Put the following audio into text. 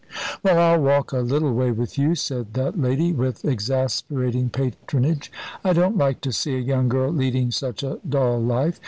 "Well, I'll walk a little way with you," said that lady, with exasperating patronage. "I don't like to see a young girl leading such a dull life.